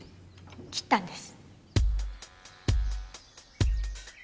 切ったんです。